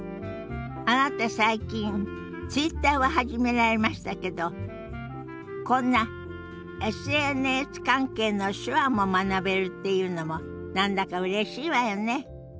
あなた最近Ｔｗｉｔｔｅｒを始められましたけどこんなＳＮＳ関係の手話も学べるっていうのも何だかうれしいわよね。